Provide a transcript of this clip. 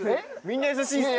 みんな優しいです。